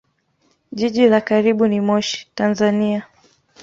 Jiji la karibu ni Moshi, Tanzania.